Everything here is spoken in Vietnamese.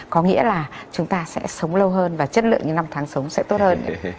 có nghĩa là chúng ta sẽ sống lâu hơn và chất lượng những năm tháng sống sẽ tốt hơn